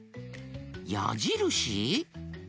やじるし？